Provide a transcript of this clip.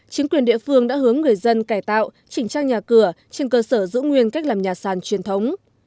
chính quyền địa phương đã hướng người dân cải tạo chỉnh trang nhà cửa trên cơ sở giữ nguyên cách làm nhà sàn truyền thống